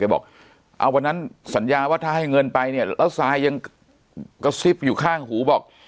บอกวันนั้นสัญญาว่าถ้าให้เงินไปเนี่ยแล้วทรายยังกระซิบอยู่ข้างหูบอก